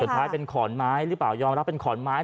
ท้ายเป็นขอนไม้หรือเปล่ายอมรับเป็นขอนไม้